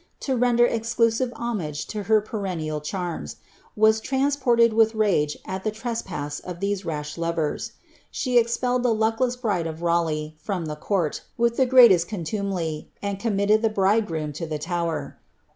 to render exclusive homage to her perennial charms, was trans ed «ilh ra£e al the trespass of these rash lovers. She eipellei luckless bride of Raleigh from the court, with the ereatest contui and commiiied the bridegroom lo the Tower.